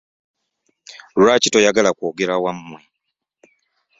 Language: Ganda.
Lwaki toyagala kwogera wammwe?